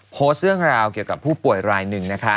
โพสต์เรื่องราวเกี่ยวกับผู้ป่วยรายหนึ่งนะคะ